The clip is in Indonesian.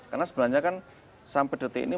karena sebenarnya kan sampai detik ini